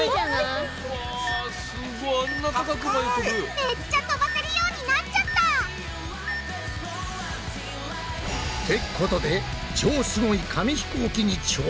めっちゃ飛ばせるようになっちゃった！ってことで超スゴイ紙ひこうきに挑戦！